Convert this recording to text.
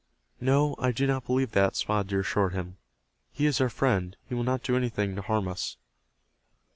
"No, I do not believe that," Spotted Deer assured him. "He is our friend. He will not do anything to harm us."